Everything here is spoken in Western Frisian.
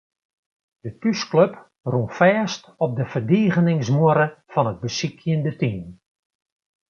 De thúsklup rûn fêst op de ferdigeningsmuorre fan it besykjende team.